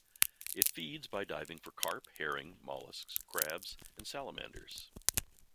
It feeds by diving for carp, herring, mollusks, crabs, and salamanders.